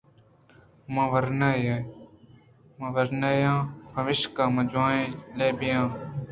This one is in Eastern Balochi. من ورنایے آں پمیشکا من جْوانیں لیبی یے آں